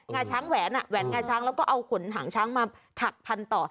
งาช้างแหวนแหวนงาช้างแล้วก็เอาขนหางช้างมาถักพันต่อ